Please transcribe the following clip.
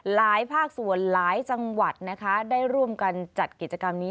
หลายภาคส่วนหลายจังหวัดนะคะได้ร่วมกันจัดกิจกรรมนี้